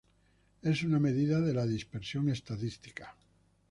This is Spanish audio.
Es una medida de la dispersión estadística.